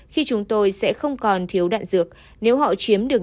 khi chúng tôi sẽ không còn thiếu đạn dược